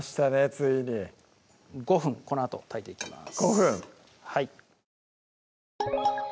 ついに５分このあと炊いていきます